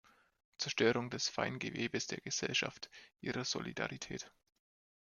Zerstörung des feinen Gewebes der Gesellschaft, ihrer Solidarität.